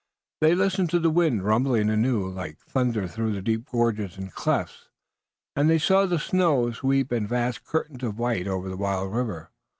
They listened to the wind rumbling anew like thunder through the deep gorges and clefts, and they saw the snow swept in vast curtains of white over the wild river.